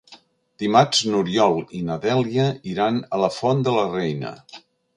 Dimarts n'Oriol i na Dèlia iran a la Font de la Reina.